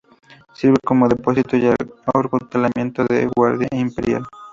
Sirve como depósito, y acuartelamiento de la Guardia imperial.